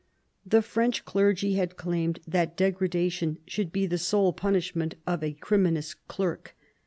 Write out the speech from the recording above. The French clergy had claimed that degradation should be the sole punishment of a crimin ous clerk.